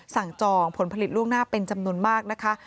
จองผลผลิตล่วงหน้าเป็นจำนวนมากนะคะ